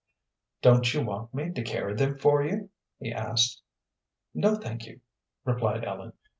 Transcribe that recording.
"Don't you want me to carry them for you?" he asked. "No, thank you," replied Ellen.